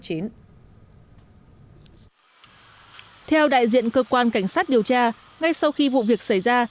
theo đại diện cơ quan cảnh sát điều tra ngay sau khi vụ việc xảy ra